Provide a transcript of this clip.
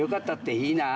いいなあ。